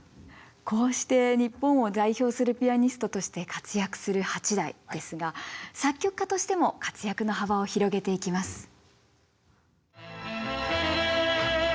こうして日本を代表するピアニストとして活躍する八大ですが作曲家としても活躍の幅を広げていきます。